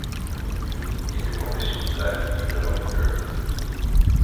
In de commissie blijft u de rapporteur.